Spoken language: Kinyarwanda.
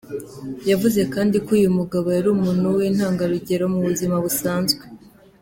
Yavuze kandi ko uyu mugabo yari umuntu w’intangarugero mu buzima busanzwe.